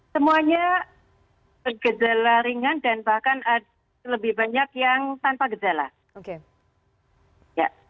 semuanya bergejala ringan dan bahkan lebih banyak yang tanpa gejala